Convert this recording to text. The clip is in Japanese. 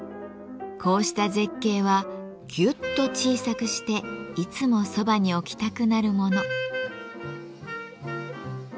こうした絶景はギュッと小さくしていつもそばに置きたくなるもの。